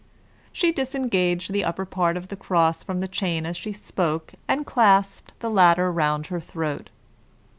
She disengaged the upper part of the cross from the chain as she spoke, and clasped the latter round her throat.